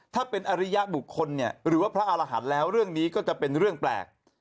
ถ้าเป็นอริยบุคคลเนี่ยหรือว่าพระอารหันต์แล้วเรื่องนี้ก็จะเป็นเรื่องแปลก